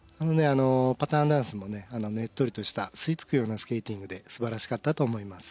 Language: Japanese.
パターンダンスもねっとりとした吸いつくようなスケーティングで素晴らしかったと思います。